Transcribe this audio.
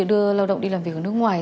đưa lao động đi làm việc ở nước ngoài